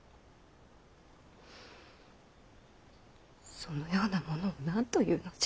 そのような者を何というのじゃ。